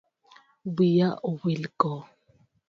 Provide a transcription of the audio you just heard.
Wiya owil go